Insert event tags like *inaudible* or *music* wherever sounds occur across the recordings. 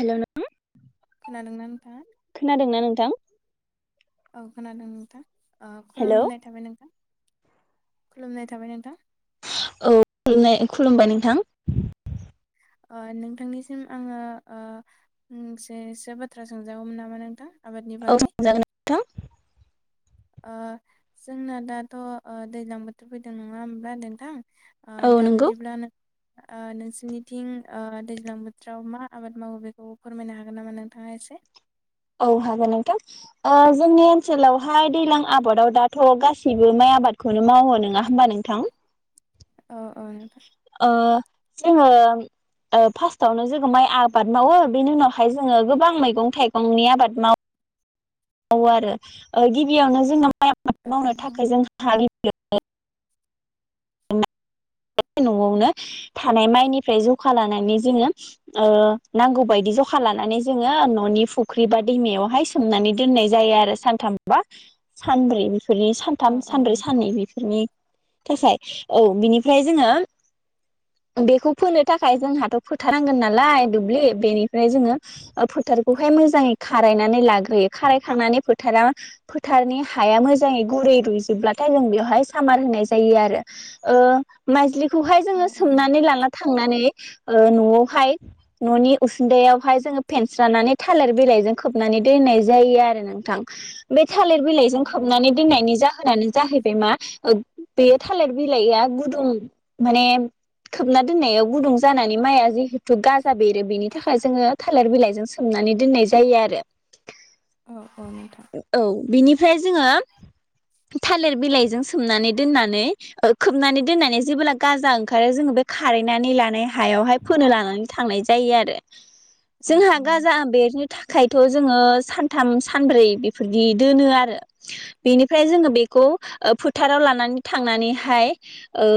Hello नोंथां खोनादों ना नोंथां खोनादोंना नोंथां औ खोनादों नोंथां अ हेलौ खुलुमनाय थाबाय नोंथां खुलुमनाय थाबाय नोंथां औ खुलुम खुलुमबाय नोंथां ओ नोंथांनिसिम आङो ओ मोनसेसो बाथ्रा सोंजागौमोन नामा नोंथां आबादनि औ बागै सोंजागोन नोंथां ओ जोंना दाथ' ओ दैज्लां बोथोर फैदों नङा होमब्ला नोंथां ओ औ दा नंगौ बिदिब्ला नों ओ नोंसिनिथिं ओ दैज्लां बोथोराव मा आबाद मावो बेखौ फोरमायनो हागोन नामा नोंथाङा एसे औ हागोन नोंथां ओ जोंनि ओनसोलावहाय दैज्लां आबादाव दाथ' गासैबो माइ आबादखौनो मावो नङा होमबा नोंथां औ औ नोंथां ओ जोङो ओ फार्स्टआवनो जोङो माइ आबाद मावो बेनि उनावहाय जोङो गोबां मैगं थाइगंनि आबाद मावो मावो आरो गिबियावनो जोंना माइ आबाद औ मावनो थाखाय जोंहा गिबि *unintelligible* न'आवनो थानाय माइनिफ्राय जखा लानानै जोङो ओ नांगौ बायदि जखा लानानै जोङो न'नि फुख्रि बा दैमायावहाय सोमनानै दोननाय जायो आरो सानथामबा सानब्रै बेफोरनि सानथाम औ सानब्रै नोंथां साननै बेफोरनि थाखाय औ बिनि ओमफ्राय जोङो बेखौ फोनो थाखाय जोंहाथ' फोथार नांगोन नालाय दुब्लि बेनिफ्राय जोङो फोथारखौहाय मोजाङै खारायनानै लाग्रोयो खारायखांनानै फोथारा फोथारनि हाया मोजाङै गुरै रुइजोबब्लाथाय जों बेवहाय सामार होनाय जायो आरो ओ माइज्लि खौहाय औ जोङो औ सोमनानै नोंथां लाना थांनानै ओ न'आवहाय न'नि उसुन्दायावहाय जोङो फेनस्रानानै थालिर बिलाइजों खोबनानै दोननाय जायो आरो नोंथां बे थालिर औ बिलाइजों औ खोबनानै नोंथां दोननायनि जाहोनानो जाहैबाय मा ओ बे थालिर बिलाइआ गुदुं माने खोबना दोननायाव गुदुं जानानै माइया जिहे थु गाजा बेरो बेनि थाखाय जोङो थालिर बिलाइजों खोबनानै दोननाय जायो आरो औ औ नोंथां औ बिनिफ्राय जोङो थालिर बिलाइजों सोमनानै दोननानै खोबनानै दोननानै जेबोला गाजा ओंखारो जोङो बे खारायनानै लानाय हायावहाय फोनो लानानै थांनाय जायो आरो औ औ जोंहा गाजा नोंथां बेरनो थाखायथ' जोङो सानथाम सानब्रै बेफोरदि दोनो आरो बेनिफ्राय जोङो बेखौ ओ फोथाराव लानानै थांनानैहाय ओ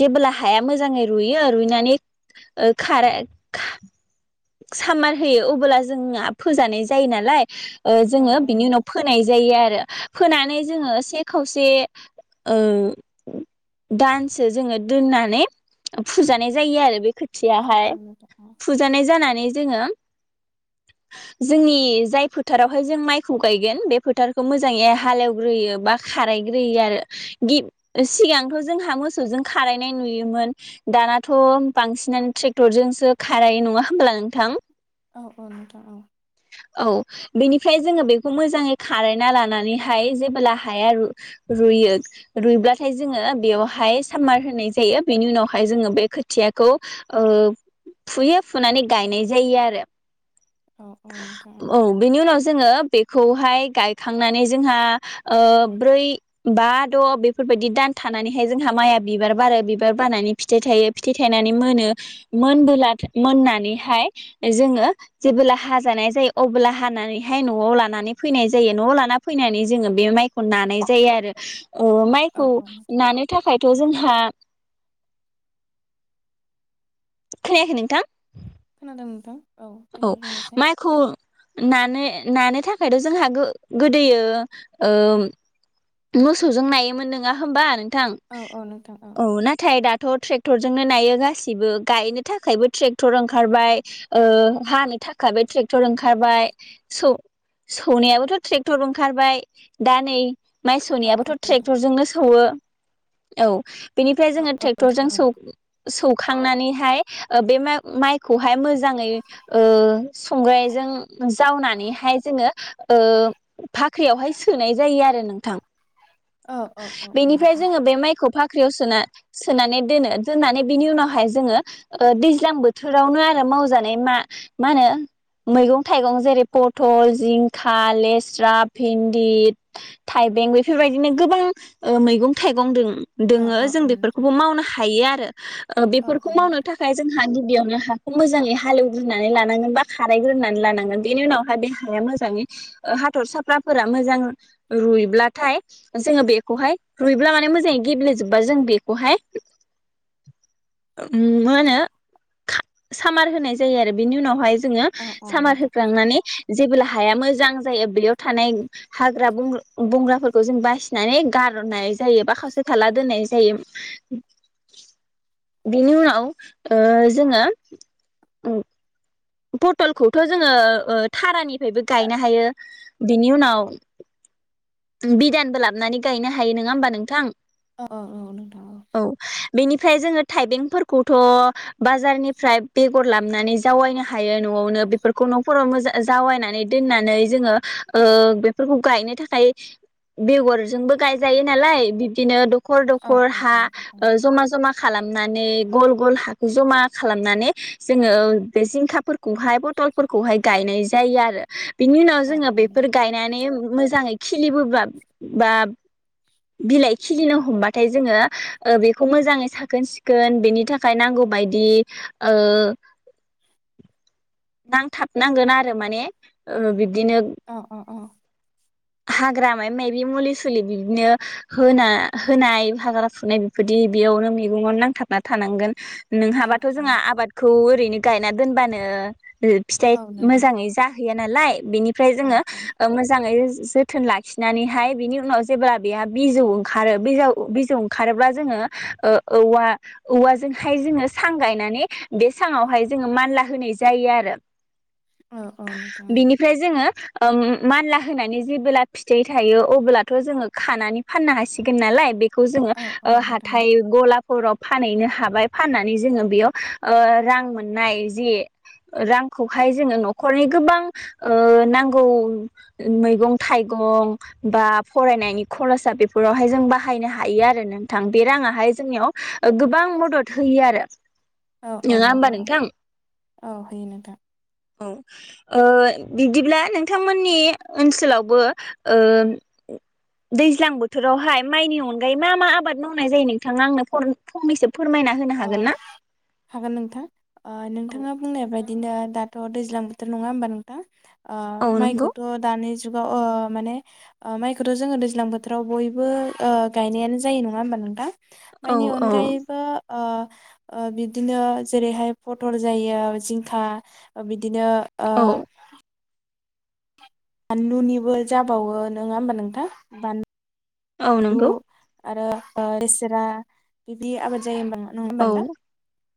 जेबोला हाया मोजाङै रुइयो रुइनानै ओ खार सामार होयो अबोला जोंना फोजानाय जायो नालाय ओ औ जोङो औ बिनि उनाव नोंथां फोनाय जायो आरो फोनानै जोङो से खावसे दान सो जोङो दोननानै फुजानाय जायो आरो बे खो औ थियाहाय औ नोंथां औ फुजानाय जानानै जोङो जोंनि जाय फोथारावहाय जों माइखौ गायगोन बे फोथारखौ मोजाङै हालेवग्रोयो बा खारायग्रोयो आरो गि सिगांथ' जोंहा मो मोसौजों खारायनाय नुयो दानाथ' बांसिनानो ट्रेक्टरजोंसो खारायो नङा होमब्ला नोंथां औ औ नोंथां औ औ बेनिफ्राय जोङो बेखौ मोजाङै खारायना लानानैहाय जेबोब्ला हाया रुयो रुयब्लाथाय जोङो बेयावहाय सामार होनाय जायो बेनि उनावहाय जोङो बे खोथियाखौ ओ फुयो फुनानै गायनाय जायो आरो औ औ नोंथां औ बिनि उनाव जोङो बे खौहाय गायखांनानै जोंहा ओ ब्रै बा द बेफोरबायदि दान थानानैहाय जोंहा माइ बिबार बारो बिबार बारनानै फिथाइ थायो फिथाइ थायनानै मोनो मोनबोला मोननानैहाय जोङो जेबोब्ला हाजानाय जायो अला हानानैहाय नआव लानानै फैनाय जायो नआव लाना फैनानै जोङो बे माइखौ नानाय जायो आरो औ माइखौ औ नोंथां नानो थाखाय जोंहा खोनायाखै नोंथां खोनादों नोंथां औ देलाय बुंनायसाय माइखौ नानो नानो थाखायथ जोंहा गोदोयो मोसौजों नायोमोन नङा होमबा नों थां औ औ नोंथां औ नाथाय दाथ थ ट्रेक्टरजोंनो नायो गासिबो गायनो थाखायबो ट्रेक्टर ओंखारबाय हानो थाखायबो ट्रेक्टर ओंखारबाय सौ सौनायाबोथ ट्रेक्टर ओंखारबाय दा नै माइ औ सौनायाबोथ औ नोंथां ट्रेक्टरजोंनो सौवो औ बेनिफ्राय औ जोङो औ ट्रेक्टरजों नोंथां औ सौ सौ सुखांनानैहाय बे माइखौहाय मोजाङै ओ संग्रायजों जावनानैहाय जोङो भाख्रियावहाय सोनाय जायो आरो नों थां औ औ औ बेनिफ्राय नोंथां जोङो बे माइखौ भा भाख्रियाव सोना सोनानै दोनो दोननानै बिनि उनावहाय जोङो दैज्लां बोथोरावनो आरो मावजानाय मा मा होनो मैगं थाइगं जेरै पथल जिंखा लेस्रा भिन्दि थाइबें बेफोर बायदिनो गोबां मैगं थाइगं दों औ दोङो औ जों औ नोंथां बेफोरखौबो मावनो हायो आरो आरो औ बेफोरखौ मावनो थाखाय जों हा गिबियावनो हाखौ मोजाङै हालेवग्रोनानै लानांगोन बा खारायग्रोनानै लानांगोन बेनि उनावहाय बे हाया मोजाङै हाथरसाफ्राफोरा मोजां रुयब्लाथाय जोङो बेखौहाय रुयब्ला माने मोजाङै गेब्लेेजोबबा जों बेखौहाय मा होनो सामार होनाय जायो आरो बेनि उनावहाय जोङो औ सामार नोंथां होखांनानै जेबोला हाया मोजां जायो बेयाव थानाय हाग्रा बं बंग्राफोरखौ जों बासिनानै गारनाय जायो बा खावसे थालला दोननाय जायो बेनि उनाव जोङो पथलखौथ जोङो ओ थारानिफ्रायबो गायनो हायो बिनि उनाव बिदानबो लाबनानै गायनो हायो नङा होमबा नोंथां औ औ नोंथां ओमफ्राय जोङो थाइबेंफोरखौथ बाजारनिफ्राय बेगर लाबनानै जावैनो हा हायो नआवनो बेफोरखौ नफोरावो जावनानै दोननानै जोङो बेफोरखौ गायनो थाखाय बेगरजोंबो गायजायो नालाय बिदिनो दखर औ दखर औ हा नोंथां जमा जमा खालामनानै गल गल हाखौ जमा खालामनानै जोङो बे जिंखा फोरखौहाय फथलफोरखौहाय गायनाय जायो आरो बिनि उनाव औ जोङो औ नोंथां बेफोर गायनानै मोजाङै खिलिबोब्ला बा बिलाइ खिलिनो हमबाथाय जोङो ओ बेखौ मोजाङै साखोन सिखोन बेनि थाखाय नांगौ बायदि ओ नांथाबनांगोन आरो माने ओ बिब्दिनो अ अ अ हाग्रा माय माबि मुलि सुलि बिदिनो होना होनाय हाग्रा फुनाय बेफोरदि बेयावनो मैगंआवनो नांथाबना थानांगोन नोंहाबाथ' औ जोंहा आबादखौ ओरैनो गायना दोनबानो फिथाइ औ नोंथां औ मोजाङै जाहैया नालाय बेनिफ्राय औ जोङो ओ मोजाङै से जोथोन लाखिनानैहाय बिनि उनाव जेब्ला बेहा बिजौ ओंखारो बिजौ बिजौ ओंखारोब्ला जोङो ओ औवा औवाजोंहाय जोङो सां गायनानै बे सांङावहाय जोङो मानला होनाय जायो आरो औ औ औ नोंथां बिनिफ्राय जोङो ओ मानला होनानै जेबोला फिथाइ थायो अब्लाथ' जोङो खानानै फाननो हासिगोन नालाय बेखौ जोङो औ औ ओ नोंथां हाथाय गला राव फानहैनो हाबाय फाननानै जोङो बेयाव ओ रां मोननाय जि रांखौहाय जोङो न'खरनि गोबां ओ नांगौ मैंगं थाइ गं बा फरायनायनि खरसा बेफोरावहाय जों बाहायनो हायो आरो नोंथां बे राङाहाय जोंनियाव गोबां मदद होयो आरो औ औ नोङा होमबा नोंथां औ होयो नोंथां औ ओ बिदिब्ला नोंथांमोननि ओनसोलावबो ओ दैज्लां बोथोरावहाय माइनि अनगायै मा मा आबाद मावनाय जायो नोंथाङा आंनो फंनैसो फोरमायना होनो अ हागोन ना? हागोन नोंथां ओ औ नोंथाङा बुंनाय बायदि बिदिनो दाथ' दैज्लां बोथोर नङा होनबा नोंथां ओ औ नंगौ माइखौथ' दानि जुग जुगाव ओ माने ओ माइखौथ' जोङो दैज्लां बोथोराव बयबो ओ गायनायानो जायो नङा होमबा नोंथां औ माइनि औ अनगायैबो ओ ओ बिदिनो जेरैहाय फटल जायो जिंखा बिदिनो ओ औ बानलुनिबो जाबावो नोङा होमबा नोंथां बानलु औ नंगौ आरो ओ लेस्रा बिदि आबाद जायो औ ओमबा *unintelligible*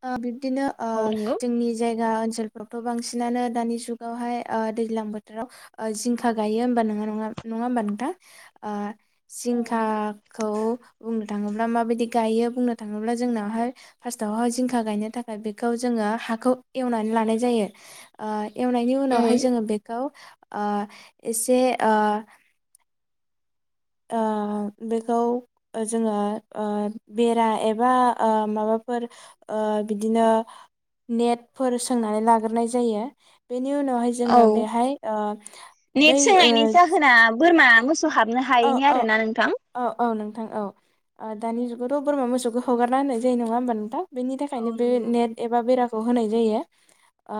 ओ बि बिदिनो ओ औ नंगौ जोंनि जाय जा ओनसोलफ्रावथ बांसिनानो दानि जुगावहाय दैज्लां बोथोराव जिंखा गायो होमबा नङा नङा नङा होमबा नोंथां ओ औ नंगौ जिंखाखौ बुंनो थाङोब्ला माबायदि गायो बुंनो थाङोब्ला जोंनावहाय फार्स्टावहाय जिंखा गायनो थाखाय बेखौ जोङो हाखौ एवनानै लानाय जायो एवनायनि उनावहाय उम जोङो बेखौ ओ एसे ओ ओ बेखौ जोङो ओ बेरा एबा माबाफोर बिदिनो नेटफोर सोंनानै लाग्रोनाय जायो बेनि उनावहाय औ जोङो बेहाय ओ नेट बै ओ सोंनायनि जाहोना बोरमा मो सौ हाबनो हायैनि आरो ना नोंथां थां औ दानि जुगावथ बोरमा मोसौखौ हगारना होननाय जायो नङा होमबा नोंथां बेनि औ थाखायनो बे नंगौ नेट एबा बेरा खौ होनाय जायो ओ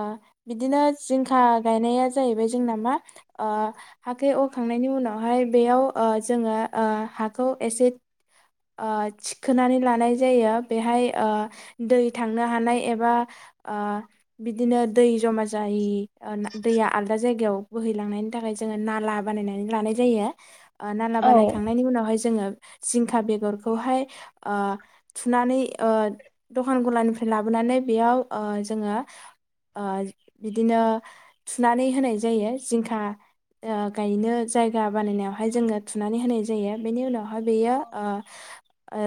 बिदिनो जिंखा गायनाया जाहैबाय जोंना मा ओ हाथायाव अरखांनायनि उनावहाय बेयाव ओ जोङो ओ हाखौ एसे ओ थिखोनानै लानाय जायो बेहाय ओ दै थांनो हानाय एबा ओ बिदिनो दै जमा जायि दैया आलादा जायगायाव बोहैलांनायनि थाखाय जोङो नाला बानायनानै लानाय जायो ओ नाला औ बानायखांनायनि उनावहाय जोङो जिंखा बेगरखौहाय ओ थुनानै ओ दखान गलानिफ्राय लाबोनानै बेयाव जोङो बिदिनो थुनानै होनाय जायो जिंखा गायनो जायगा बानायनायाव बेहाय जोङो थुनानै होनाय जायो बेनि उनाव मा बेयो ओ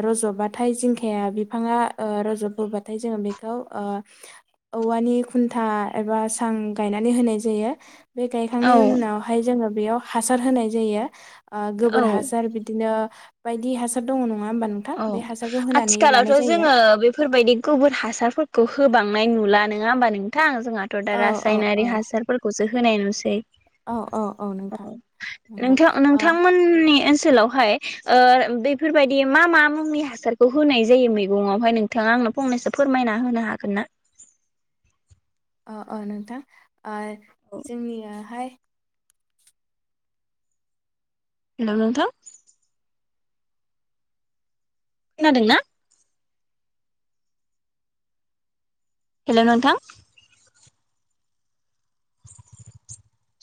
रजबाथाय जिंखाया बिफाङा ओ रजबोबाथाय जोङो बेखौ ओ औवानि खुन्था एबा सां गायनानै होनाय जायो बे गायखांनायनि औ उनावहाय जोङो बेयाव हासार होनाय जायो ओ गोबोर औ हासार बिदिनो बायदि हासार दङ नङा होमबा नोंथां औ बे हासारखौ होनानै आथिखालावथ लानाय जायो जोङो बेफोरबायदि गोबोर हासारफोरखौ होबांनाय नुला नोङा होमबा नोंथां जोंहाथ दा औ औ रासायनारि औ हासारफोरखौसो होनाय नुसै औ औ औ नोंथां नंगौ नोंथां ओ नोंथांमोननि ओन ओनसोलावहाय ओ बेफोरबायदि मा मा मुंनि हासारखौ होनाय जायो मैगंयावहाय नोंथाङा आंनो फंनैसो फोरमायना होनो हागोन ना अ अ नोंथां जोंनियाहाय हेलौ नोंथां खोनादोंना हेलौ नोंथां *inaudible*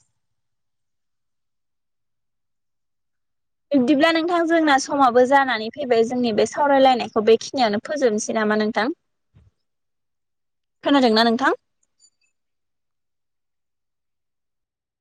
बिब्दिब्ला नोंथां जोंना समाबो जानानै फैबाय जोंनि बे सावरायलायनायखौ बेखिनियावनो फोजोबनोसै नामा नोंथां खोनादोंना नोंथां